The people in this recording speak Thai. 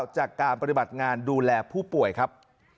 จากการปฏิบัติงานดูแลผู้ป่วยครับ